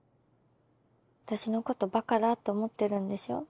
私のことバカだと思ってるんでしょ？